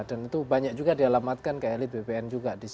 dan itu banyak juga dialamatkan ke elit bpn